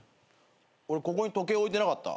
俺ここに時計置いてなかった？